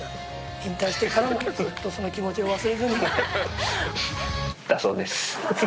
引退してからもずっとその気持ちを忘れずに。